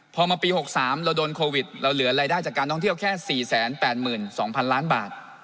พอมาปี๖๓เราโดนโควิดเราเหลือรายได้จากการท่องเที่ยวแค่๔๘๒๐๐๐ล้านบาท